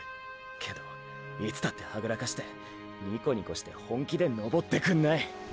けどいつだってはぐらかしてニコニコして本気で登ってくんない。